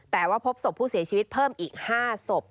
แต่ว่าพบศพผู้เสียชีวิตเพิ่มอีก๕ศพ